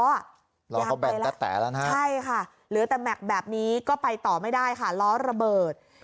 ย้างไปแล้วหล่อก็แบะแตะแล้วนะฮะใช่ค่ะหลือแต่แม็กซ์แบบนี้ก็ไปต่อไม่ได้ค่ะล้อระเบิด